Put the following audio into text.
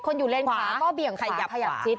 คนอยู่เลนขวาก็เบี่ยงขวาขยับชิด